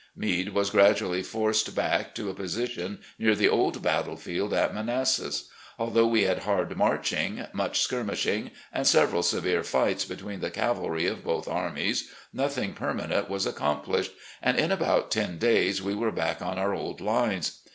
Meade was gradually forced back to a position near the old battlefield at Manassas. Although we had hard marching, much skirmishing, and several severe fights between the cavalry of both armies, nothing permanent was accomplished, and in about ten days we were back on our old lines.